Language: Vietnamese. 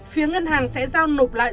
phía ngân hàng sẽ giao nộp lại